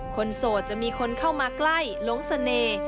โสดจะมีคนเข้ามาใกล้หลงเสน่ห์